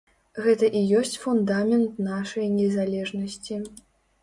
Гэта і ёсць фундамент нашай незалежнасці.